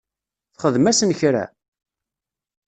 Txdem-asen kra?